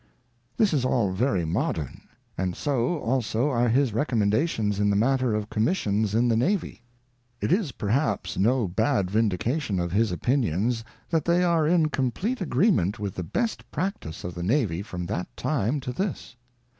This is all very modern, and so also are his recommenda tions in the matter of commissions in the Navy. It is perhaps no bad vindication of his opinions that they are in complete agreement with the best practice of the Navy from that time to this.